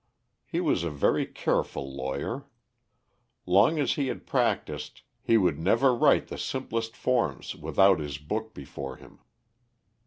He was a very careful lawyer. Long as he had practiced, he would never write the simplest forms without his book before him.